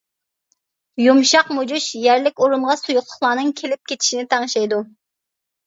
يۇمشاق مۇجۇش يەرلىك ئورۇنغا سۇيۇقلۇقلارنىڭ كېلىپ كېتىشىنى تەڭشەيدۇ.